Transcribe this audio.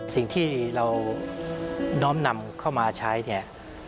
สิ่งที่เราน้อมนำเข้ามาใช้เนี่ย